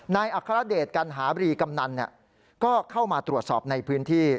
อัครเดชกัณหาบรีกำนันก็เข้ามาตรวจสอบในพื้นที่